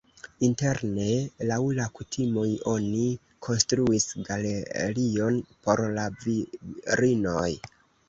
Interne laŭ la kutimoj oni konstruis galerion por la virinoj.